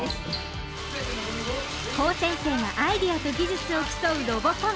高専生がアイデアと技術を競う「ロボコン」